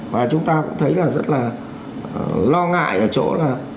và chúng ta cũng thấy là rất là lo ngại ở chỗ là